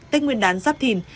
tết nguyên đán giáp thìn